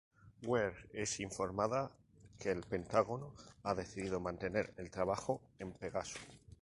Weir es informada que el Pentágono ha decidido mantener el trabajo en Pegaso.